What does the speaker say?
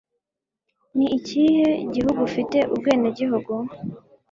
Ni ikihe gihugu ufite ubwenegihugu?